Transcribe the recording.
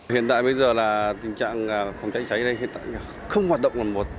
hiện tại bây giờ là tình trạng phòng cháy cháy ở đây không hoạt động là một